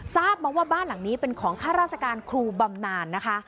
ทราบมาว่าบ้านหลังนี้เป็นของข้าราชการครูบำนานนะคะ